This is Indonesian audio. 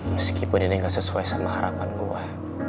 meskipun ini gak sesuai sama harapan gue